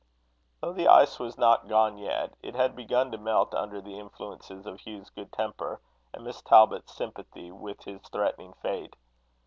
Though the ice was not gone yet, it had begun to melt under the influences of Hugh's good temper, and Miss Talbot's sympathy with his threatening fate.